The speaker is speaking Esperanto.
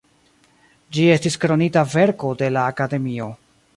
Ĝi estis "Kronita verko de la Akademio".